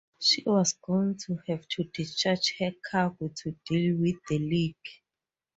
She was going to have to discharge her cargo to deal with the leak.